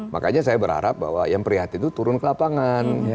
makanya saya berharap bahwa yang prihatin itu turun ke lapangan